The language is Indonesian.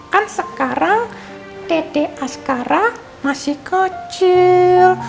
kan sekarang dada asgara masih kecil